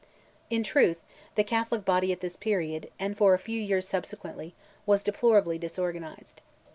In truth, the Catholic body at this period, and for a few years subsequently, was deplorably disorganized.